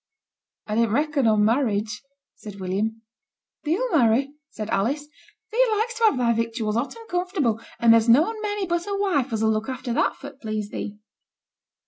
'I din't reckon on marriage,' said William. 'Thee'll marry,' said Alice. 'Thee likes to have thy victuals hot and comfortable; and there's noane many but a wife as'll look after that for t' please thee.'